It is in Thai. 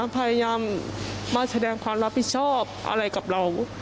พยายามมาแสดงความรับผิดชอบอะไรกับเรา